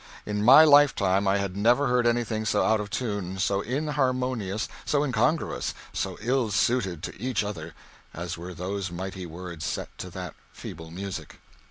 In my lifetime I had never heard anything so out of tune, so inharmonious, so incongruous, so ill suited to each other as were those mighty words set to that feeble music.